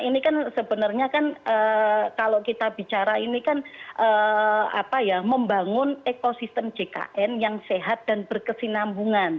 ini kan sebenarnya kan kalau kita bicara ini kan membangun ekosistem jkn yang sehat dan berkesinambungan